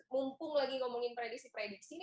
mumpung lagi ngomongin prediksi prediksi